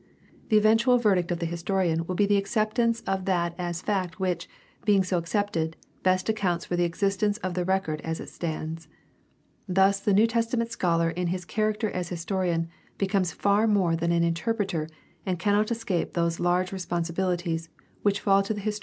The eventual verdict of the historian will be the accept ance of that as fact which, being so accepted, best accounts for the existence of the record as it stands. Thus the New Testament scholar in his character as historian becomes far more than an interpreter and cannot escape those large responsibilities which fall to the historian in general.